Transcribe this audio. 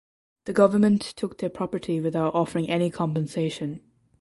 The government took their property without offering any compensation.